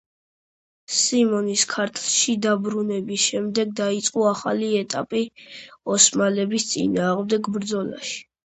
სიმონის ქართლში დაბრუნების შემდეგ დაიწყო ახალი ეტაპი ოსმალების წინააღმდეგ ბრძოლაში.